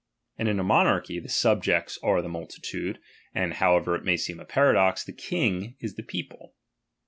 And in a monarchy, the subjects are the multitude, and (however it seem a paradox) the king is the people.